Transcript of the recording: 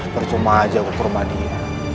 percuma aja wabar sama dia